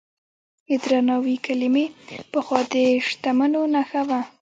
د درناوي کلمې پخوا د شتمنو نښه وه.